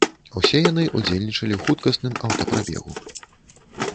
Усе яны ўдзельнічалі ў хуткасным аўтапрабегу.